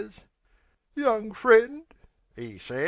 "Young friend," 'e sez...